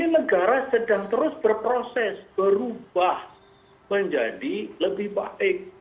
ini negara sedang terus berproses berubah menjadi lebih baik